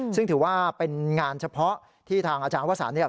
ซึ่งถือว่าเป็นงานเฉพาะที่ทางอาจารย์วสันเนี่ย